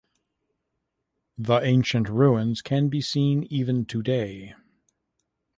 The ancient ruins can be seen even today.